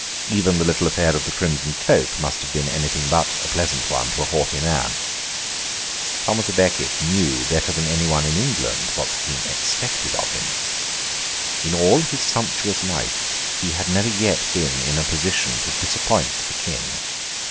Even the little affair of the crimson cloak must have been anything but a pleasant one to a haughty man. Thomas à Becket knew better than any one in England what the King expected of him. In all his sumptuous life, he had never yet been in a position to disappoint the King.